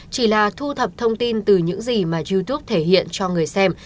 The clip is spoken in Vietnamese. chỉ là thu thập thông tin từ những gì mà youtube thể hiện cho người xem